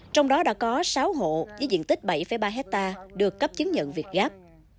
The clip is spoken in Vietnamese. trong đó đã có sáu hộ với diện tích bảy ba hectare được cấp chứng nhận việt gáp